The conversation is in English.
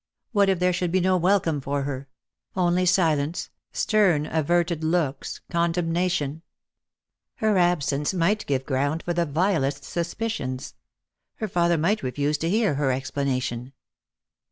What if there should be no welcome for her, — only silence, stern averted looks, condemnation ? Her absence might give ground for the vilest suspicions. Her father might refuse to hear her explanation.